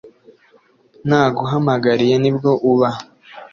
naguhamagariye nibwo uba